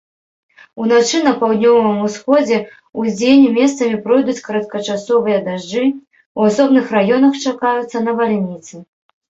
Уначы на паўднёвым усходзе, удзень месцамі пройдуць кароткачасовыя дажджы, у асобных раёнах чакаюцца навальніцы.